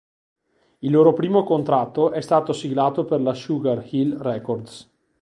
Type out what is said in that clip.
Il loro primo contratto è stato siglato per la Sugar Hill Records.